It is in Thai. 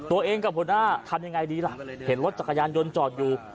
ตัวเองกับหัวหน้าทำยังไงดีล่ะเห็นรถจักรยานยนต์จอดอยู่